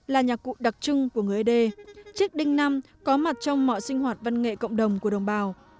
là nhạc cụ đặc trưng của người ế đê chiếc đinh năm có mặt trong mọi sinh hoạt văn nghệ cộng đồng của đồng bào